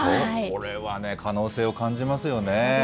これはね、可能性を感じますよね。